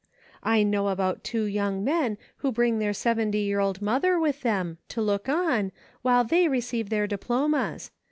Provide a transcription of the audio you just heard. I know about two young men who bring their sev enty year old mother with them, to look on, while they receive their diplomas.